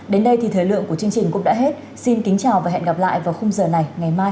đến đây thì thời lượng của chương trình cũng đã hết xin kính chào và hẹn gặp lại vào khung giờ này ngày mai